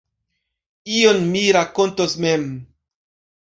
Ion mi rakontos mem.